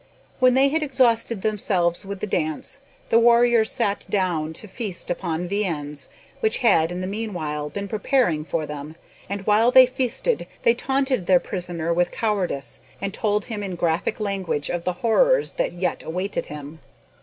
When they had exhausted themselves with the dance, the warriors sat down to feast upon viands, which had, in the meanwhile, been preparing for them, and while they feasted they taunted their prisoner with cowardice, and told him in graphic language of the horrors that yet awaited him.